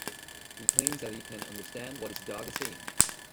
He claims that he can understand what his dog is saying